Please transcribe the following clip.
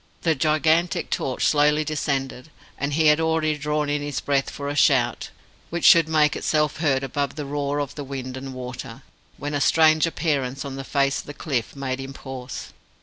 The gigantic torch slowly descended, and he had already drawn in his breath for a shout which should make itself heard above the roar of the wind and water, when a strange appearance on the face of the cliff made him pause.